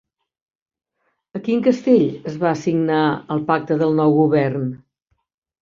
A quin castell es va signar el pacte del nou govern?